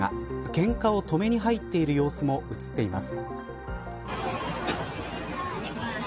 けんかを止めに入っている様子も映っています。